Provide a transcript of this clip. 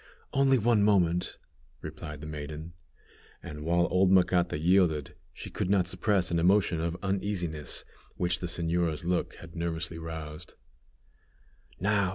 "Only one moment," replied the maiden; and while old Macata yielded, she could not suppress an emotion of uneasiness which the señora's look had nervously roused. "Now!